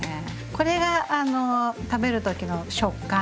これが食べる時の食感と。